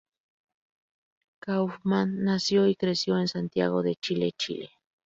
Kaufmann nació y creció en Santiago de Chile, Chile.